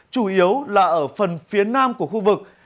chủ yếu là ở phần phía nam của khu vực